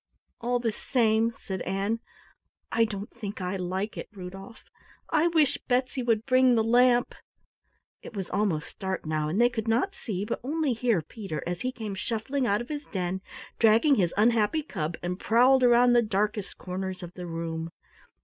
"All the same," said Ann, "I don't think I like it, Rudolf. I wish Betsy would bring the lamp!" It was almost dark now, and they could not see, but only hear, Peter as he came shuffling out of his den, dragging his unhappy cub, and prowled around the darkest corners of the room.